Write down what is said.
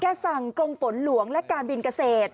สั่งกรมฝนหลวงและการบินเกษตร